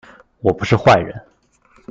我不是壞人